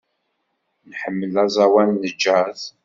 Nḥemmel aẓawan n jazz.